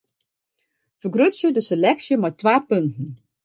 Fergrutsje de seleksje mei twa punten.